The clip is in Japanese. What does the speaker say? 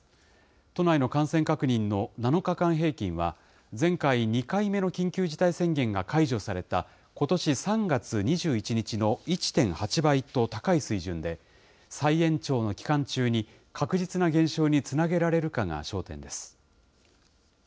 都内の感染確認の７日間平均は、前回２回目の緊急事態宣言が解除されたことし３月２１日の１．８倍と高い水準で、再延長の期間中に、確実な減少につなげられるかが焦点です。